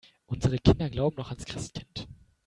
Unsere Kinder glauben noch ans Christkind.